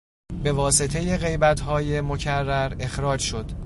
به واسطهی غیبتهای مکرر اخراج شد.